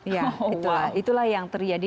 ya itulah itulah yang terjadi